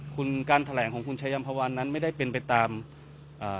คุณการแถลงของคุณชายัมภาวันนั้นไม่ได้เป็นไปตามอ่า